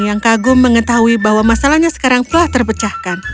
yang kagum mengetahui bahwa masalahnya sekarang telah terpecahkan